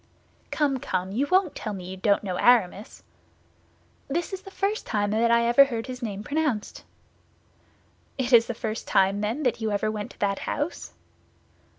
"Come, come, you won't tell me you don't know Aramis?" "This is the first time I ever heard his name pronounced." "It is the first time, then, that you ever went to that house?"